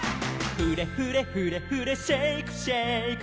「フレフレフレフレシェイクシェイク」